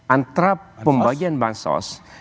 antara pembagian bahan sosial